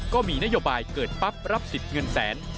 ก็มีนโยบายเกิดปั๊บรับสิทธิ์เงินแสน